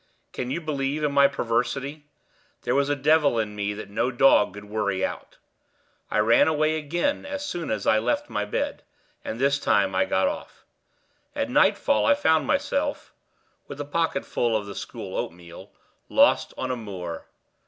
Can you believe in my perversity? There was a devil in me that no dog could worry out. I ran away again as soon as I left my bed, and this time I got off. At nightfall I found myself (with a pocketful of the school oatmeal) lost on a moor.